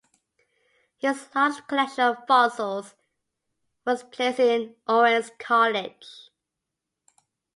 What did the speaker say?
His large collection of fossils was placed in Owens College.